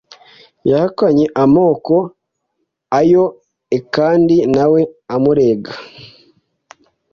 Yahakanye amakoa yoe kandi na we amurega